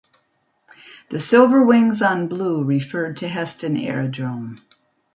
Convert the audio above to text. The silver wings on blue referred to Heston Aerodrome.